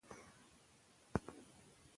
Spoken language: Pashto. دا نجلۍ ډېره ګلالۍ ده.